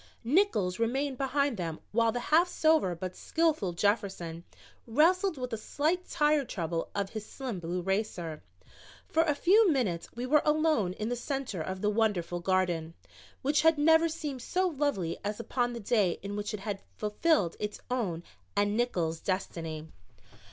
Nickols remained behind them while the half sober but skillful Jefferson wrestled with a slight tire trouble of his slim blue racer. For a few minutes we were alone in the center of the wonderful garden, which had never seemed so lovely as upon the day in which it had fulfilled its own and Nickols' destiny.